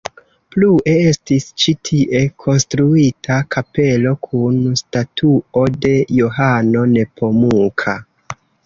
Plue estis ĉi tie konstruita kapelo kun statuo de Johano Nepomuka.